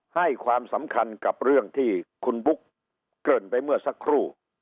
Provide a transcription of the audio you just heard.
ให้ความสำคัญกับเรื่องที่คุณบุ๊กเกริ่นไปเมื่อสักครู่